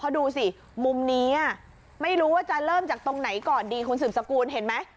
เขาดูสิมุมนี้ไม่รู้ว่าจะเริ่มจากตรงไหนก่อนดีคุณสืบสกุลเห็นไหม